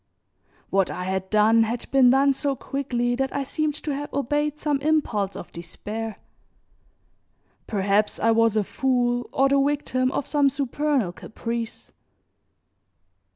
What I had done had been done so quickly that I seemed to have obeyed some impulse of despair. Perhaps I was a fool or the victim of some supernal caprice.